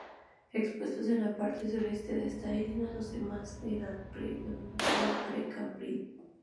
Expuestos en la parte sureste de esta isla, los de más edad del Precámbrico.